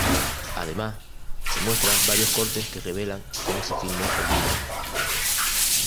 Además, se muestran varios cortes que revelan cómo se filmó el vídeo.